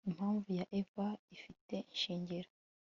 Impamvu ya Eva ifite ishingiro